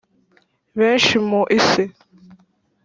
Benshi mu isi